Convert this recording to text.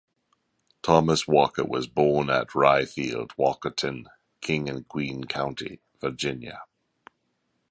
Thomas Walker was born at "Rye Field", Walkerton, King and Queen County, Virginia.